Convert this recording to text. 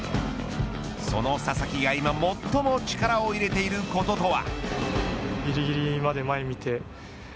その佐々木が、今最も力を入れていることとは。